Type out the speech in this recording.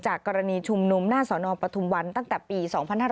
จากกรณีชุมนมหน้าสอนอปฐมวันตั้งแต่ปี๒๕๕๘